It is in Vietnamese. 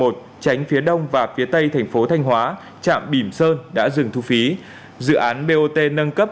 tránh phía đông và phía tây thành phố thanh hóa trạm bỉm sơn đã dừng thu phí dự án bot nâng cấp